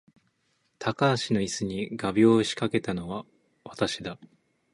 高橋の椅子に画びょうを仕掛けたのは私だ